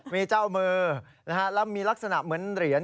มีเจ้ามือแล้วมีลักษณะเหมือนเหรียญ